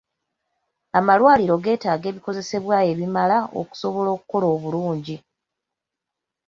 Amalwaliro getaaga ebikozesebwa ebimala okusobola okukola obulungi.